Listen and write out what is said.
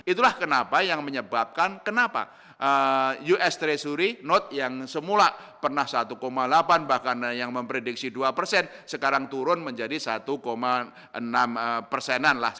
itulah kenapa yang menyebabkan kenapa us treasury note yang semula pernah satu delapan bahkan yang memprediksi dua persen sekarang turun menjadi satu enam persenan lah